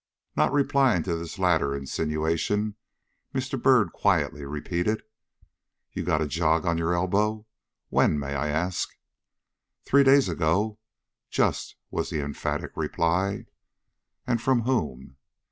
Not replying to this latter insinuation, Mr. Byrd quietly repeated: "You got a jog on your elbow? When, may I ask?" "Three days ago, just!" was the emphatic reply. "And from whom?"